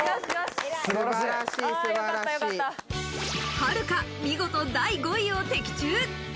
はるか、見事第５位を的中。